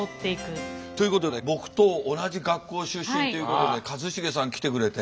ということで僕と同じ学校出身ということで一茂さん来てくれて。